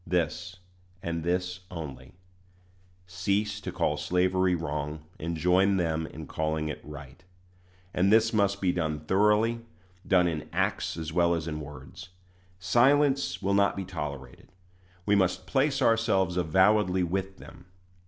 This, and this only: cease to call slavery wrong, and join them in calling it right. And this must be done thoroughly done in acts as well as in words. Silence will not be tolerated we must place ourselves avowedly with them.